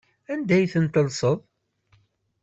Anda ay ten-tellseḍ?